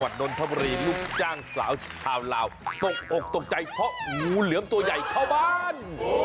นนทบุรีลูกจ้างสาวชาวลาวตกอกตกใจเพราะงูเหลือมตัวใหญ่เข้าบ้าน